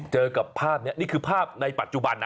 เจอกับภาพนี้นี่คือภาพในปัจจุบันนะ